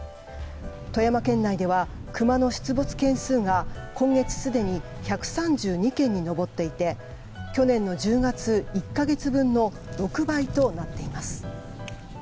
富山県内ではクマの出没件数が今月すでに１３２件に上っていて去年の１０月１か月分の６倍となっています。